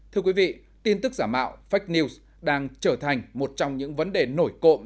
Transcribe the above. thưa quý vị tin tức giả mạo fake news đang trở thành một trong những vấn đề nổi cộng